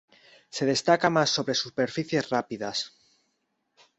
Se destaca más sobre superficies rápidas.